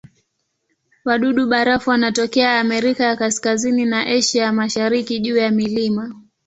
Wadudu-barafu wanatokea Amerika ya Kaskazini na Asia ya Mashariki juu ya milima.